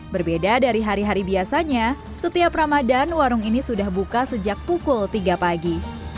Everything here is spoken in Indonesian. berbeda dari hari hari biasanya setiap ramadan warung ini sudah buka sejak pukul tiga pagi